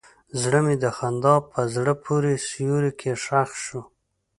زړه مې د خندا په زړه پورې سیوري کې ښخ شو.